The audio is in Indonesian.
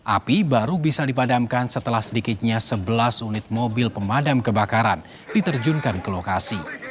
api baru bisa dipadamkan setelah sedikitnya sebelas unit mobil pemadam kebakaran diterjunkan ke lokasi